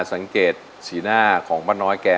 สังเกตสีหน้าของป้าน้อยแก